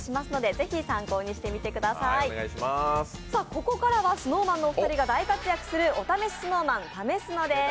ここからはＳｎｏｗＭａｎのお二人が大活躍する「お試しＳｎｏｗＭａｎ！」、ためスノです。